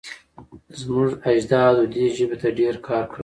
زموږ اجدادو دې ژبې ته ډېر کار کړی.